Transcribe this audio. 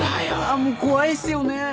もう怖いっすよね。